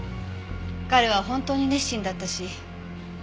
彼は本当に熱心だったし。